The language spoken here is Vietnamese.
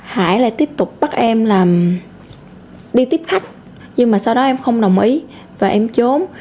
hải lại tiếp tục bắt em làm đi tiếp khách nhưng mà sau đó em không đồng ý và em trốn